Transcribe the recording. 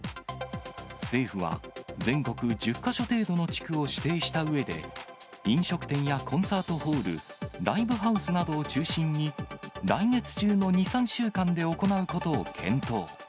政府は全国１０か所程度の地区を指定したうえで、飲食店やコンサートホール、ライブハウスなどを中心に、来月中の２、３週間で行うことを検討。